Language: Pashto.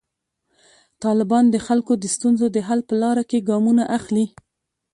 طالبان د خلکو د ستونزو د حل په لاره کې ګامونه اخلي.